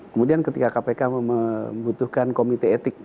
kemudian ketika kpk membutuhkan komite etik